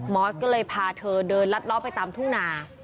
อสก็เลยพาเธอเดินลัดล้อไปตามทุ่งนา